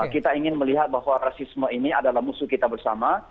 kita ingin melihat bahwa rasisme ini adalah musuh kita bersama